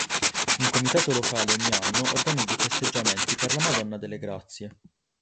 Un comitato locale ogni anno organizza i festeggiamenti per la Madonna delle Grazie.